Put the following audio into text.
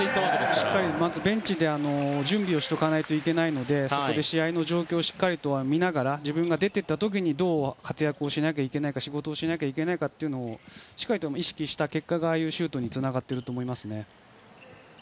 しっかりベンチで準備をしておかないといけないので試合の状況をしっかりと見ながら自分が出た時にどう活躍しなきゃいけないか仕事しなきゃいけないかしっかり意識した結果がああいうシュートにつながっていると思いますね。